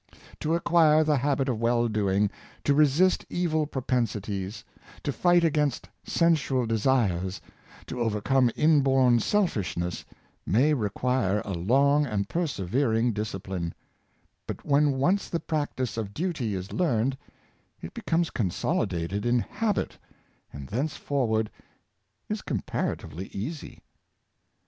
To acquire the habit of well doing, to resist evil pro pensities, to fight against sensual desires, to overcome inborn selfishness, may require a long and persevering discipline; but when once the practice of duty is learned, it becomes consolidated in habit, and thence forward is comparatively easy.